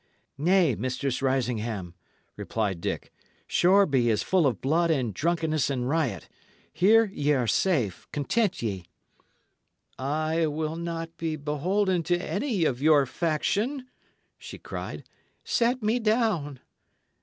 "Nay, Mistress Risingham," replied Dick. "Shoreby is full of blood and drunkenness and riot. Here ye are safe; content ye." "I will not be beholden to any of your faction," she cried; "set me down."